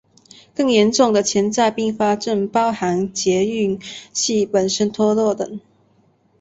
更严重的潜在并发症包含节育器本身脱落等。